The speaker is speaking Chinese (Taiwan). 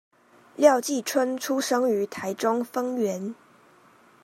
廖繼春出生於台中豐原